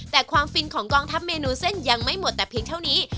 แต่ความฟินของกองทัพเมนูเส้นยังไม่หมดแต่เพียงเท่านี้